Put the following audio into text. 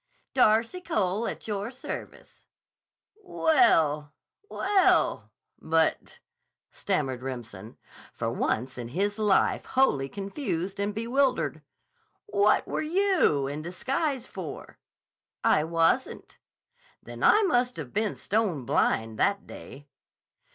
"Darcy Cole, at your service." "Well—well, but," stammered Remsen, for once in his life wholly confused and bewildered. "What were you in disguise for?" "I wasn't." "Then I must have been stone blind that day!"